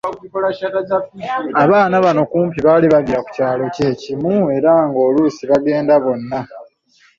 Abaana bano kumpi baali baviira ku kyalo kye kimu era nga oluusi bagenda bonna.